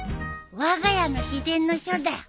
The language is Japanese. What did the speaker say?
わが家の秘伝の書だよ。